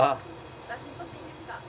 ・写真撮っていいですか？